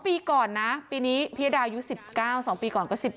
ปีก่อนนะปีนี้พิยดาอายุ๑๙๒ปีก่อนก็๑๘